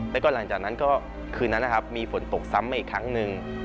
แล้วก็หลังจากนั้นก็คืนนั้นนะครับมีฝนตกซ้ำมาอีกครั้งหนึ่ง